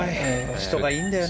人がいいんだよな。